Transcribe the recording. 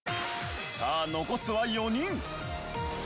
さあ残すは４人。